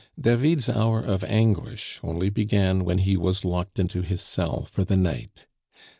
David's hour of anguish only began when he was locked into his cell for the night.